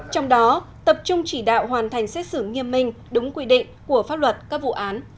trong đó tập trung chỉ đạo hoàn thành xét xử nghiêm minh đúng quy định của pháp luật các vụ án